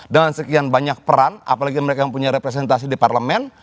dengan sekian banyak peran apalagi mereka yang punya representasi di parlemen